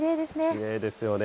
きれいですよね。